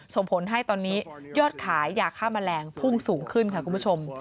ส่งผลให้ตอนนี้ยอดขายยาฆ่าแมลงพุ่งสูงขึ้นค่ะคุณผู้ชม